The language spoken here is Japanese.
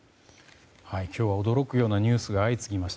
今日は驚くようなニュースが相次ぎました。